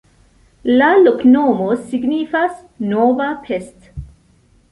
La loknomo signifas: nova Pest.